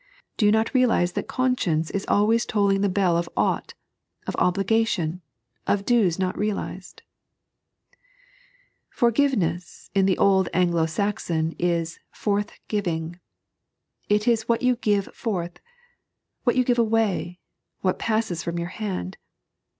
Do you not reeJize that conscience is always tolling the bell of ought, of obligation, of dues not realized ? Foi^venees in the old Anglo Saxon is/orthgiving. It is what you give forth ; what you give away ; what passes from your hand.